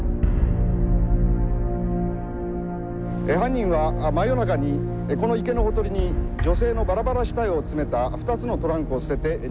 犯人は真夜中にこの池のほとりに女性のバラバラ死体を詰めた２つのトランクを捨てて逃げ去りました。